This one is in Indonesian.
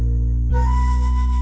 kau kurang kagum it'sisimsex